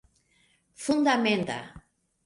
fundamenta